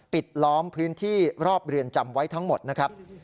ล้อมพื้นที่รอบเรือนจำไว้ทั้งหมดนะครับ